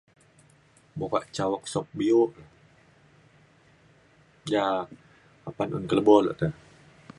buka ca workshop sio bio ja apan un ke lebo le te